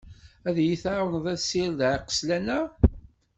Ad yi-tεawneḍ ad ssirdeɣ iqeslan-a?